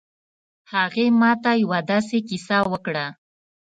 هغې ما ته یو ه داسې کیسه وکړه